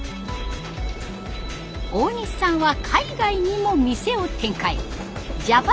大西さんは海外にも店を展開。